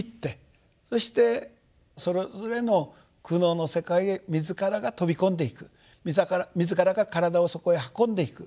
そしてそれぞれの苦悩の世界へ自らが飛び込んでいく自らが体をそこへ運んでいく。